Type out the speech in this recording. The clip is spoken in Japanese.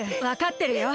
わかってる。